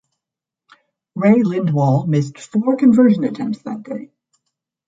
Ray Lindwall missed four conversion attempts that day.